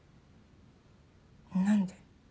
何で？